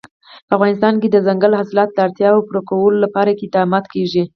په افغانستان کې د دځنګل حاصلات د اړتیاوو پوره کولو لپاره اقدامات کېږي.